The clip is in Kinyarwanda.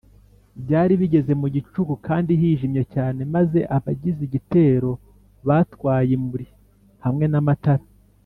byari bigeze mu gicuku kandi hijimye cyane; maze abagize igitero batwaye imuri hamwe n’amatar